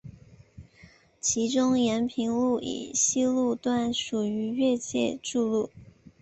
其中延平路以西路段属于越界筑路。